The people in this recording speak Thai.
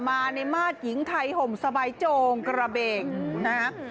มาในมาตรหญิงไทยห่มสบายโจงกระเบกนะฮะ